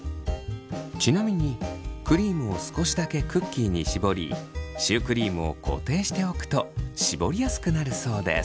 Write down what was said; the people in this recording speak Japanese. ちなみにクリームを少しだけクッキーに絞りシュークリームを固定しておくと絞りやすくなるそうです。